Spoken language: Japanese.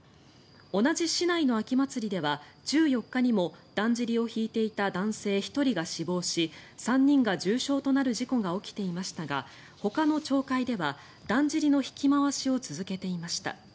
同じ市内の秋祭りでは１４日にもだんじりを引いていた男性１人が死亡し３人が重傷となる事故が起きていましたがほかの町会ではだんじりの引き回しを続けていました。